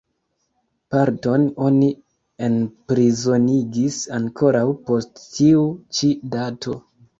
Parton oni enprizonigis ankoraŭ post tiu ĉi dato.